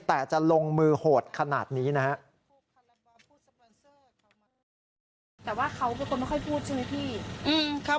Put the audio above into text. แต่จะลงมือโหดขนาดนี้นะครับ